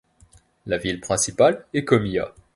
La ville principale est Comilla.